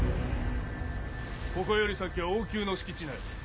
ここより先は王宮の敷地内。